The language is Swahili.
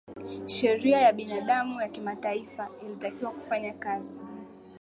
sheria ya binadamu ya kimataifa ilitakiwa kufanya kazi